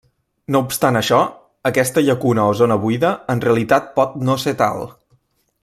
No obstant això aquesta llacuna o zona buida en realitat pot no ser tal.